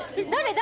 誰？